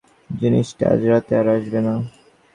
জিনিসটা আজরাতে আর আসবে না।